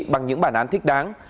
bằng những bản án thích đáng